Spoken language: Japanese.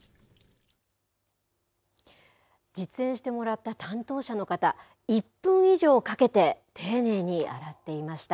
実演してもらった担当者の方１分以上かけて丁寧に洗っていました。